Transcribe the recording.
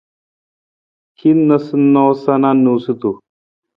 Hin noosanoosa na noosutu.